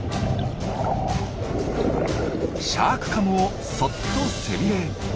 シャークカムをそっと背ビレへ。